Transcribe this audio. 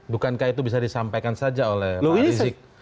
bukankah itu bisa disampaikan saja oleh pak rizik